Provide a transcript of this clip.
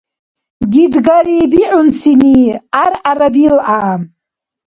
Гидгари бигӀунсини гӀяргӀяра билгӀя.